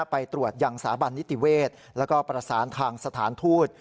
ไปตรวจยังสาบันนิติเวศแล้วก็ประสานทางสถานทูต